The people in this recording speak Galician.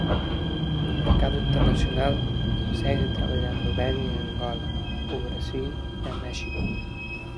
No mercado internacional, segue traballando ben en Angola, o Brasil e México.